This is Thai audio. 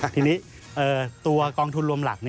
ทีนี้ตัวกองทุนรวมหลัก